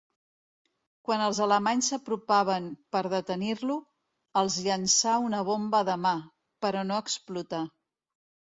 Quan els alemanys s'apropaven per detenir-lo, els llançà una bomba de mà, però no explotà.